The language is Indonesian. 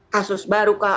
kasus baru kah